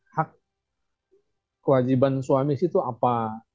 hak kewajiban suami situ apa